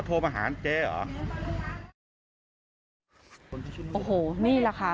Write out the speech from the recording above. โอ้โหนี่แหละค่ะ